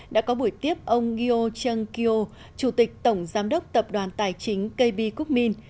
đã có buổi tiếp ông gyo chung kyo chủ tịch tổng giám đốc tập đoàn tài chính kb quốc minh